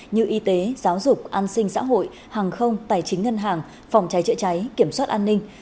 như y tế giáo dục an sinh xã hội hàng không tài chính ngân hàng phòng cháy chữa cháy kiểm soát an ninh